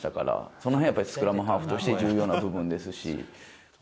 そのへんやっぱりスクラムハーフとして重要な部分ですし。